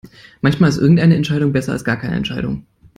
Manchmal ist irgendeine Entscheidung besser als gar keine Entscheidung.